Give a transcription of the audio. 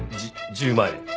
１０万円。